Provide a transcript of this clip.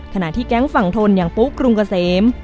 ขณะที่แก๊งฝั่งทนอย่างปุ๊กกรุงเกษม